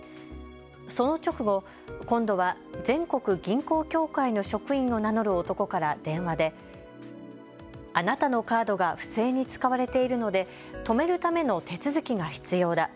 その直後、今度は全国銀行協会の職員を名乗る男から電話であなたのカードが不正に使われているので止めるための手続きが必要だ。